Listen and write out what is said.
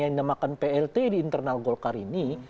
yang dinamakan plt di internal golkar ini